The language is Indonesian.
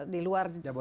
di luar jawa